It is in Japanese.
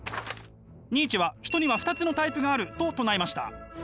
ニーチェは人には２つのタイプがあると唱えました。